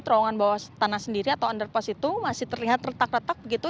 terowongan bawah tanah sendiri atau underpass itu masih terlihat retak retak begitu